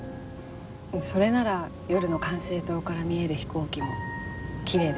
それなら夜の管制塔から見える飛行機もきれいですよ。